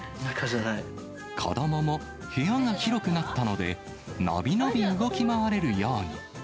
子どもも部屋が広くなったので、伸び伸び動き回れるように。